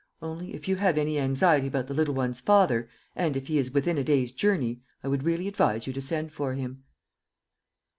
Only, if you have any anxiety about the little one's father, and if he is within a day's journey, I would really advise you to send for him."